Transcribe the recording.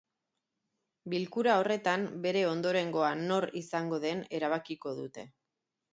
Bilkura horretan bere ondorengoa nor izango den erabakiko dute.